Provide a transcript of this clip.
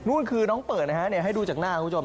คือน้องเปิดนะฮะให้ดูจากหน้าคุณผู้ชม